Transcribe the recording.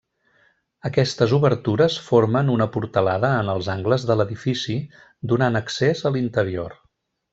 Aquestes obertures formen una portalada en els angles de l'edifici donant accés a l'interior.